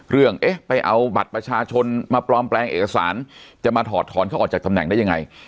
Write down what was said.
เอ๊ะไปเอาบัตรประชาชนมาปลอมแปลงเอกสารจะมาถอดถอนเขาออกจากตำแหน่งได้ยังไง